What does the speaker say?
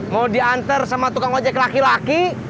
mau diantar sama tukang ojek laki laki